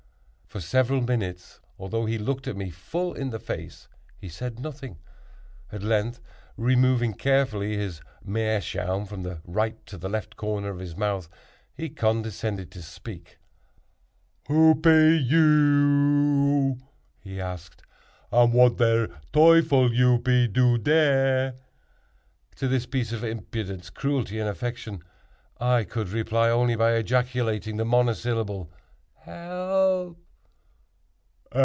For several minutes, although he looked me full in the face, he said nothing. At length removing carefully his meerschaum from the right to the left corner of his mouth, he condescended to speak. "Who pe you," he asked, "und what der teuffel you pe do dare?" To this piece of impudence, cruelty and affectation, I could reply only by ejaculating the monosyllable "Help!"